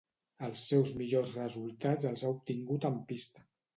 Els seus millors resultats els ha obtingut en pista.